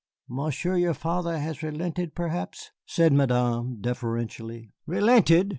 "Monsieur your father has relented, perhaps," said Madame, deferentially. "Relented!"